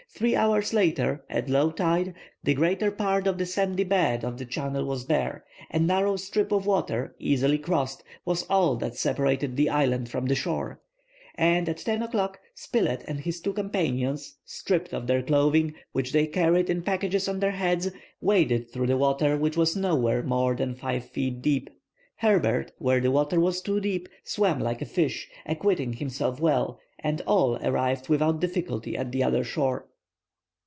Three hours later, at low tide, the greater part of the sandy bed of the channel was bare. A narrow strip of water, easily crossed, was all that separated the island from the shore. And at 10 o'clock, Spilett and his two companions, stripped of their clothing, which they carried in packages on their heads, waded through the water, which was nowhere more than five feet deep. Herbert, where the water was too deep, swam like a fish, acquitting himself well; and all arrived without difficulty at the other shore.